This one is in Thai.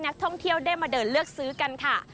นักท่องเที่ยวได้มาเดินเลือกซื้อกันค่ะ